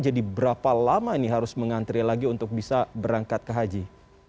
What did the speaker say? jadi berapa lama ini harus mengantri lagi untuk bisa berangkat ke haji